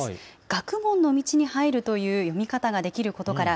学問の路に入るという読み方ができることから、